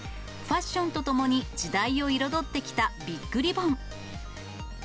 ファッションとともに時代を彩ってきたビッグリボン。